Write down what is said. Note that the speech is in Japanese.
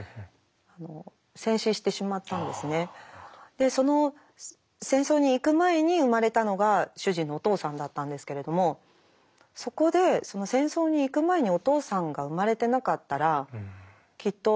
でその戦争に行く前に生まれたのが主人のお父さんだったんですけれどもそこで戦争に行く前にお父さんが生まれてなかったらきっと主人は生まれてないしもしかしたらこの命のバトンは